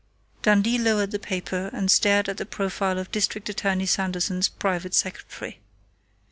Dundee lowered the paper and stared at the profile of District Attorney Sanderson's private secretary.